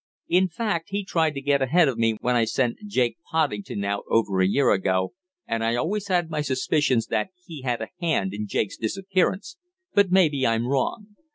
In fact, he tried to get ahead of me when I sent Jake Poddington out over a year ago, and I always had my suspicions that he had a hand in Jake's disappearance, but maybe I'm wrong.